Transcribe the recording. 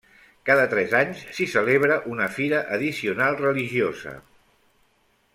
Cada tres anys s'hi celebra una fira addicional religiosa.